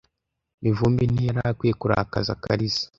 Mivumbi ntiyari akwiye kurakaza Kariza .